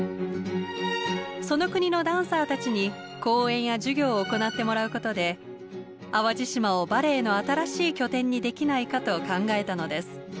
その国のダンサーたちに公演や授業を行ってもらうことで淡路島をバレエの新しい拠点にできないかと考えたのです。